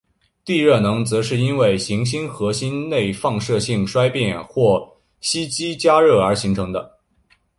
地热能则是因为行星核心内放射性衰变或吸积加热而形成。